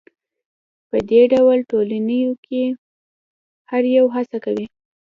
په دې ډول ټولنو کې هر یو هڅه کوي